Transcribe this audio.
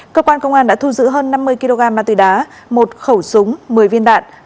cơ quan công an đã thu giữ hơn năm mươi kg ma túy đá một khẩu súng một mươi viên đạn